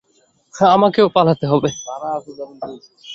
আমাকেও পালাতে হবে!